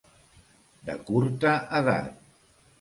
De curta edat.